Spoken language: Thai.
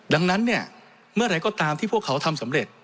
ดังนั้นเนี่ยเมื่อไหร่ก็ตามที่พวกเขาทำสำเร็จ